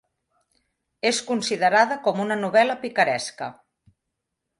És considerada com una novel·la picaresca.